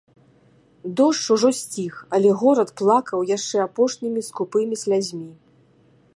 Дождж ужо сціх, але горад плакаў яшчэ апошнімі скупымі слязьмі.